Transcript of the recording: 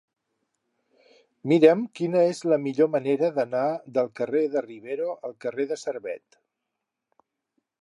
Mira'm quina és la millor manera d'anar del carrer de Rivero al carrer de Servet.